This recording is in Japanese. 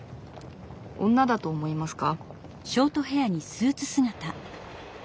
女だと思いますか？